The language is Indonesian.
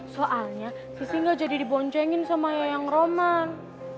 soalnya sisi gak jadi diboncengin sama ayang roman